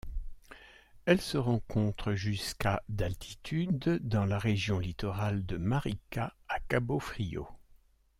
Elle se rencontre jusqu'à d'altitude dans la région littorale de Maricá à Cabo Frio.